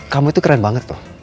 kamu itu keren banget tuh